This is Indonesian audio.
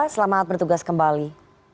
selamat bertugas kembali